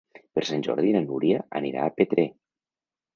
Per Sant Jordi na Núria anirà a Petrer.